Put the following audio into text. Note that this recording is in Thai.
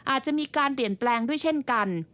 อาจจะมีการเปลี่ยนแปลงด้วยเช่นกัน